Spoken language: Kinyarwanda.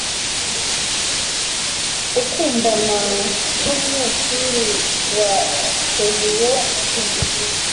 Ukundana numunyeshuri wa Keio, sibyo?